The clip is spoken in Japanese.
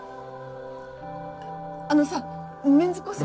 あのさメンズコスメ。